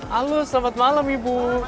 halo selamat malam ibu